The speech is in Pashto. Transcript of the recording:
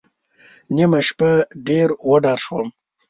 نیمه شپه ډېر وډار شوم.